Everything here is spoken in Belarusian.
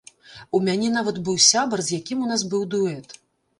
У мяне нават быў сябар, з якім у нас быў дуэт.